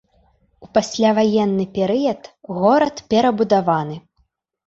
У пасляваенны перыяд горад перабудаваны.